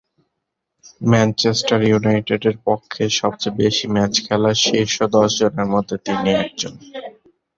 Manchester ইউনাইটেডের পক্ষে সবচেয়ে বেশি ম্যাচ খেলা শীর্ষ দশ জনের মধ্যে তিনি অন্যতম।